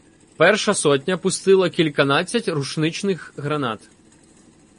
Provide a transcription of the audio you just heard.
Перша сотня пустила кільканадцять рушничних гранат.